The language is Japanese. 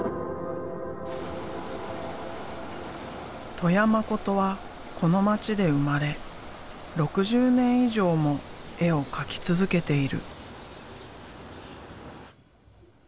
戸谷誠はこの街で生まれ６０年以上も絵を描き続けている。